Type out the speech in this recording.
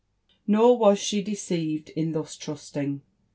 Nor was she deceived in thus trusting.